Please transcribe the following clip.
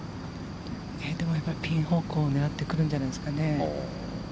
でもやっぱりピン方向を狙ってくるんじゃないですかね。